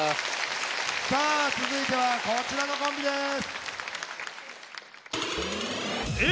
さあ続いてはこちらのコンビです。